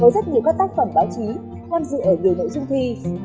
có rất nhiều các tác phẩm báo chí tham dự ở nhiều nội dung thi